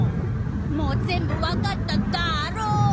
もう全部わかったダロ！